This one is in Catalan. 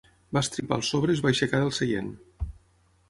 Va estripar el sobre i es va aixecar del seient.